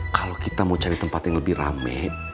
kalau kita mau cari tempat yang lebih rame